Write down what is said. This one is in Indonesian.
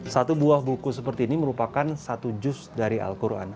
satu buah buku seperti ini merupakan satu jus dari al quran